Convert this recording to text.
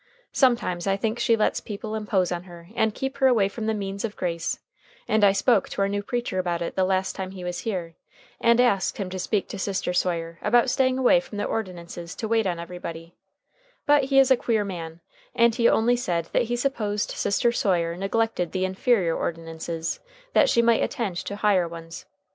Sometimes I think she lets people impose on her and keep her away from the means of grace, and I spoke to our new preacher about it the last time he was here, and asked him to speak to Sister Sawyer about staying away from the ordinances to wait on everybody, but he is a queer man, and he only said that he supposed Sister Sawyer neglected the inferior ordinances that she might attend to higher ones.